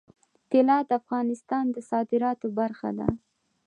طلا د افغانستان د صادراتو برخه ده.